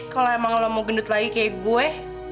kalau emang lo mau gendut lagi kayak gue